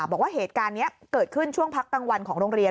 บอกว่าเหตุการณ์นี้เกิดขึ้นช่วงพักกลางวันของโรงเรียน